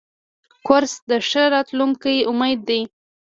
کورس د ښه راتلونکي امید دی.